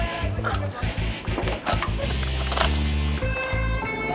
yaudah kita jalan duluan aja ali ya